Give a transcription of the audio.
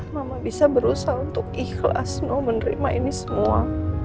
mama bisa berusaha untuk ikhlas menerima ini semua